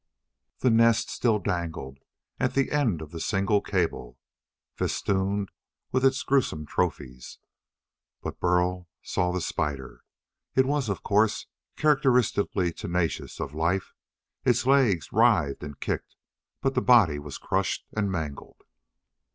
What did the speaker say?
The nest still dangled at the end of the single cable, festooned with its gruesome trophies. But Burl saw the spider. It was, of course, characteristically tenacious of life. Its legs writhed and kicked, but the body was crushed and mangled.